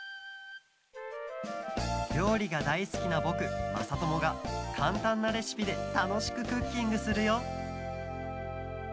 りょうりがだいすきなぼくまさともがかんたんなレシピでたのしくクッキングするよ！